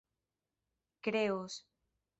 kreos